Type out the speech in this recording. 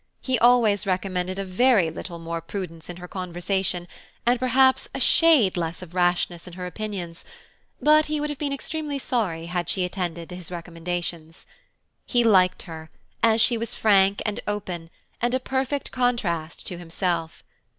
He always recommended a very little more prudence in her conversation, and perhaps a shade less of rashness in her opinions, but he would have been extremely sorry had she attended to his recommendations. He liked her, as she was frank and open, and a perfect contrast to himself.